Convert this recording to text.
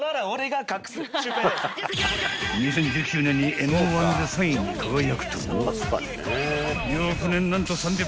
［２０１９年にＭ−１で３位に輝くと］